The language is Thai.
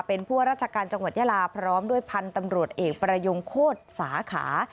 เป็นผู้ว่าราชการจังหวัดยาลาพร้อมด้วยพันธุ์ตำรวจเอกประยงโคตรสาขา